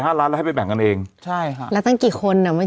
ทำงานครบ๒๐ปีได้เงินชดเฉยเลิกจ้างไม่น้อยกว่า๔๐๐วัน